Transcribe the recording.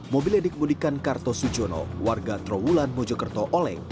mobil yang dikemudikan kartos sujono warga trawulan mojokerto oleg